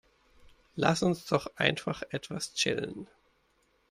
Lass uns doch einfach etwas chillen.